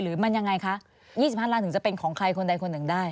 ๒๐๐๐๐ล้านถึงจะเป็นของใครคนใดคนหนึ่งได้